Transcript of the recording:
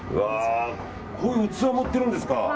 こういう器も売ってるんですか。